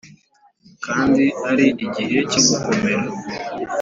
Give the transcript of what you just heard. Kandi ari igihe cyo gukomera